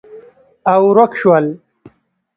او، ورک شول